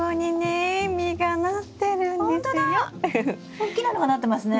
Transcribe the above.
おっきなのがなってますね。